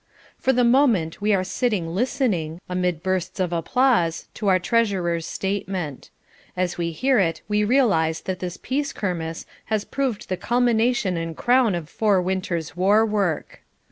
For the moment we are sitting listening, amid bursts of applause, to our treasurer's statement. As we hear it we realise that this Peace Kermesse has proved the culmination and crown of four winters' war work.